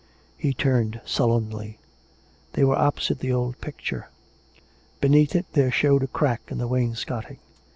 He turned sullenly. They were opposite the old picture. Beneath it there showed a crack in the wainscoting.